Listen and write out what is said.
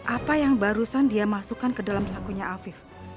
apa yang barusan dia masukkan ke dalam sakunya afif